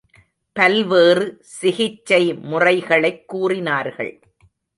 பல்வேறு சிகிச்சை முறைகளைக் கூறினார்கள்.